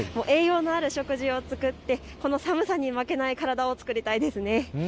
栄養のある食事を作ってこの寒さに負けない体を作りたいですね。